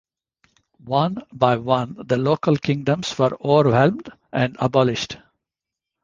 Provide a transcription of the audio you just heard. One by one the local kingdoms were overwhelmed and abolished.